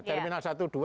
terminal satu dua